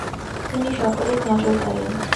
তিনি সকলের নজর কাড়েন।